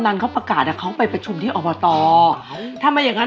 ต้องรบกวนหน่อยแล้วล่ะหนูปลอยเอ้ยเออเออน่ะ